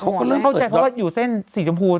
คนเริ่มเข้าใจเพราะว่าอยู่เส้นสีชมพู